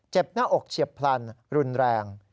หน้าอกเฉียบพลันรุนแรง